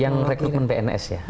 yang rekrutmen pns ya